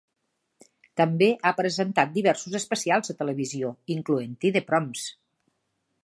També ha presentat diversos especials a televisió, incloent-hi "The Proms".